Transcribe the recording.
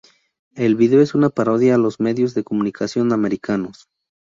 El vídeo es una parodia a los medios de comunicación americanos.